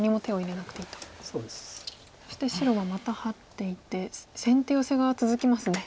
そして白はまたハッていって先手ヨセが続きますね。